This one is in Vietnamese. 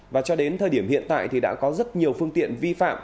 và cho đến thời điểm hiện tại thì đã có rất nhiều phương tiện vi phạm